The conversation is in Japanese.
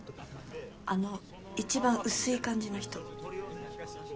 あの一番薄い感じの人。